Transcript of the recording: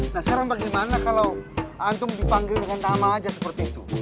nah sekarang bagaimana kalau antum dipanggil dengan tamal aja seperti itu